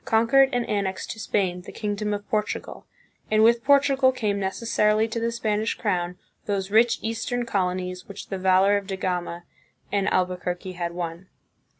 conquered and annexed to Spain the kingdom of Portugal, and with Portugal came necessarily to the Spanish crown those rich eastern colonies which the valor of Da Gama and Albuquerque had won.